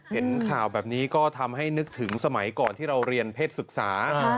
เห็นข่าวแบบนี้ก็ทำให้นึกถึงสมัยก่อนที่เราเรียนเพศศึกษา